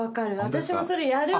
私もそれやるわ！